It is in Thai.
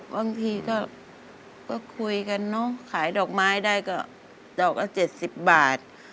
บางทีก็คุยกันเนอะขายดอกไม้ได้ก็ดอกละ๗๐บาท